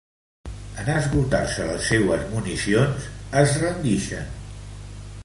En esgotar-se les seues municions, es rendixen.